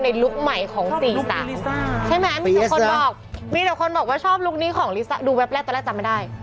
ลุคใหม่ของ๔๓ใช่ไหมมีแต่คนบอกมีแต่คนบอกว่าชอบลุคนี้ของลิซ่าดูแป๊บแรกตอนแรกจำไม่ได้